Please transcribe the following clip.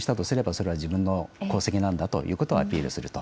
それは自分の功績なんだということをアピールする。